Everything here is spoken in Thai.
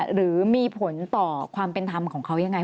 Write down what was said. หรือมีผลต่อความเป็นธรรมของเขายังไง